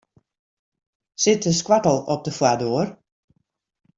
Sit de skoattel op de foardoar?